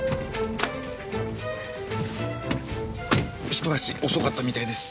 ひと足遅かったみたいです。